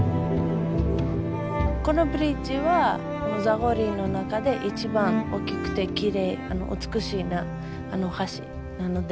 このブリッジはザゴリの中で一番大きくて美しい橋なので。